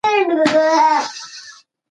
موږ پرون آنلاین درس ولوست.